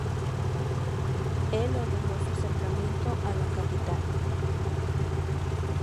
El ordenó su acercamiento a la capital.